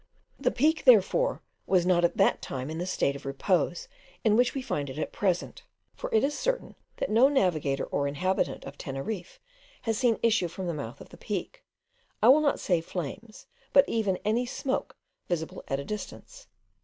The Peak, therefore, was not at that time in the state of repose in which we find it at present; for it is certain that no navigator or inhabitant of Teneriffe has seen issue from the mouth of the Peak, I will not say flames, but even any smoke visible at a distance.